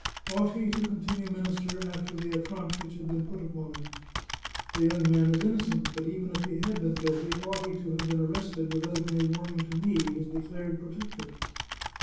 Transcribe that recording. Ought he to continue minister after the affront which had been put upon him ?" The young man is innocent ; but even if he had been guilty, ought he to have been arrested without any warning to me, his declared protector